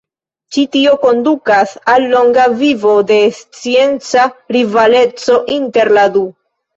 Ĉi tio kondukas al longa vivo de scienca rivaleco inter la du.